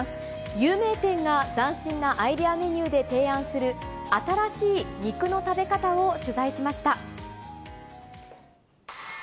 有名店が斬新なアイデアメニューで提案する新しい肉の食べ方を取材しました。